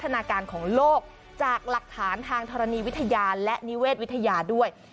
นาการของโลกจากหลักฐานทางธรณีวิทยาและนิเวศวิทยาด้วย